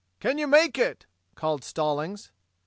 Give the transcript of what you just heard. "Can you make it?" called Stallings.